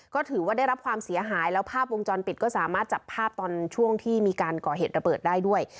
ก็ถือว่าได้รับความเสียหายแล้วภาพวงจรปิดก็สามารถจับภาพตอนช่วงที่มีการก่อเหตุระเบิดได้ด้วย